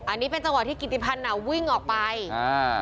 อันนี้เป็นจังหวะที่กิติพันธ์อ่ะวิ่งออกไปอ่า